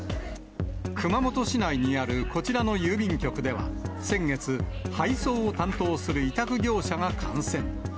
熊本市内にあるこちらの郵便局では、先月、配送を担当する委託業者が感染。